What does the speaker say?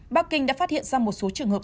bắc kinh đã phát hiện ra một số trường hợp